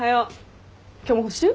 今日も補習？